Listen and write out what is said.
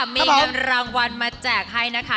มีกำลังวันมาแจกให้นะคะ